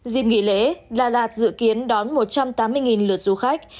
dịp nghỉ lễ đà lạt dự kiến đón một trăm tám mươi lượt du khách